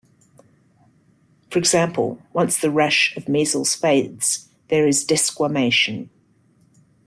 For example, once the rash of measles fades, there is desquamation.